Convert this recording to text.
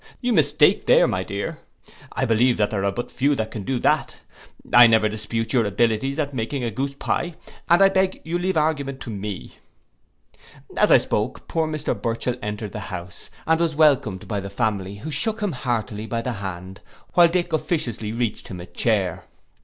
'You mistake there, my dear. I believe there are but few that can do that: I never dispute your abilities at making a goose pye, and I beg you'll leave argument to me.'—As I spoke, poor Mr Burchell entered the house, and was welcomed by the family, who shook him heartily by the hand, while little Dick officiously reached him a chair.